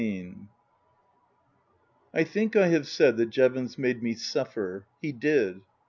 1 XV I THINK I have said that Jevons made me suffer. He did.